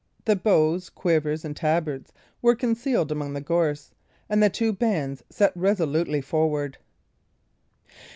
The bows, quivers, and tabards were concealed among the gorse, and the two bands set resolutely forward.